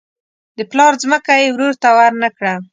د پلار ځمکه یې ورور ته ورنه کړه.